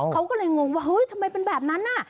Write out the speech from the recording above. เขาก็เลยงงว่าเฮ้ยทำไมเป็นแบบนั้นน่ะ